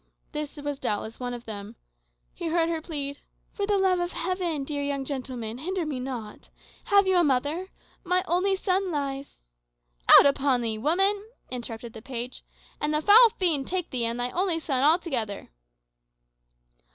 This was doubtless one of them. He heard her plead, "For the love of Heaven, dear young gentleman, hinder me not. Have you a mother? My only son lies " "Out upon thee, woman!" interrupted the page; "and the foul fiend take thee and thy only son together."